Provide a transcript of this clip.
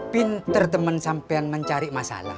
pinter temen sampai mencari masalah